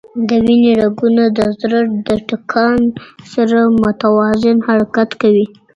د وینې رګونه د زړه د ټکان سره متوازن حرکت کوي.